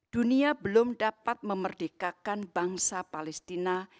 dunia belum dapat memerdekakan bangsa palestina